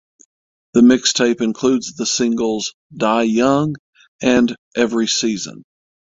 The mixtape includes the singles "Die Young" and "Every Season".